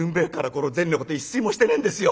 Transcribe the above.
この銭のことで一睡もしてねえんですよ。